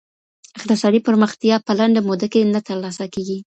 اقتصادي پرمختیا په لنډه موده کي نه ترلاسه کیږي.